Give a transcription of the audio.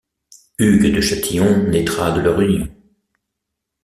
Hugues de Châtillon naîtra de leur union.